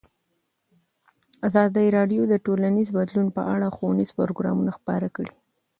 ازادي راډیو د ټولنیز بدلون په اړه ښوونیز پروګرامونه خپاره کړي.